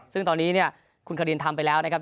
ซึ่งตอนนี้เนี่ยคุณคารินทำไปแล้วนะครับ